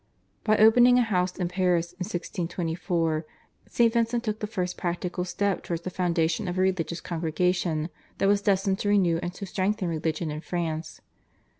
By opening a house in Paris in 1624 St. Vincent took the first practical step towards the foundation of a religious congregation, that was destined to renew and to strengthen religion in France.